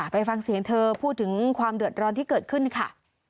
ไปฟังเสียงเธอพูดถึงความเดือดร้อนที่เกิดขึ้นค่ะ